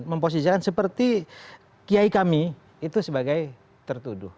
memposisikan seperti kiai kami itu sebagai tertuduh